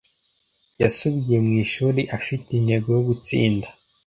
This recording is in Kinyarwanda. Yasubiye mu ishuri afite intego yo gutsinda